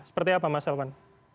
seperti apa mas irvan